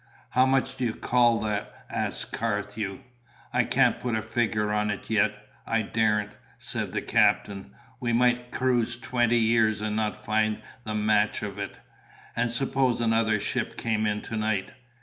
"How much do you call that?" asked Carthew. "I can't put a figure on it yet I daren't!" said the captain. "We might cruise twenty years and not find the match of it. And suppose another ship came in to night?